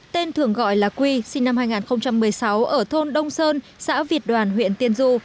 tên thường gọi là quy sinh năm hai nghìn một mươi sáu ở thôn đông sơn xã việt đoàn huyện tiên du